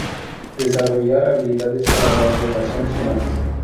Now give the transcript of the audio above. Desarrollar habilidades para las relaciones humanas.